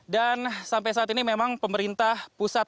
dan sampai saat ini memang pemerintah pusat